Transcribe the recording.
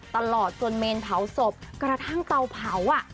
ตลอดจนเมนเผาศพกระทั่งเตาเผาอ่ะ